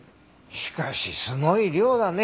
しかしすごい量だね。